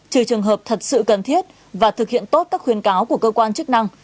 trừ trường hợp thật sự cần thiết và thực hiện tốt các khuyên cáo của cơ quan chức năng